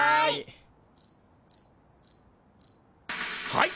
はい！